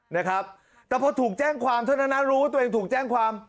นะครับแต่พอถูกแจ้งความเท่านั้นนะรู้ว่าตัวเองถูกแจ้งความ